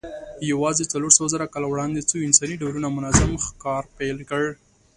یواځې څلورسوهزره کاله وړاندې څو انساني ډولونو منظم ښکار پیل کړ.